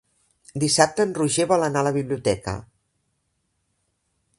Dissabte en Roger vol anar a la biblioteca.